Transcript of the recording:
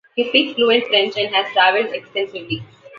He speaks fluent French and has travelled extensively.